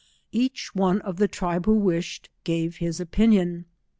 Each one of the tribe who wished, gave his opinion.